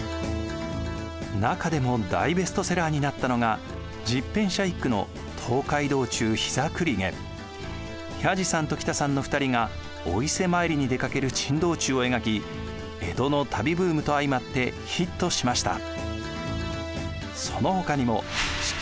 中でも大ベストセラーになったのが十返舎一九の弥次さんと喜多さんの２人がお伊勢参りに出かける珍道中を描き江戸の旅ブームと相まってヒットしました。